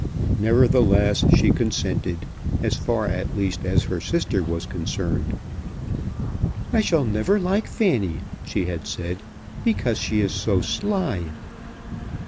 Nevertheless she consented, as far at least as her sister was concerned. "I shall never like Fanny," she had said, "because she is so sly."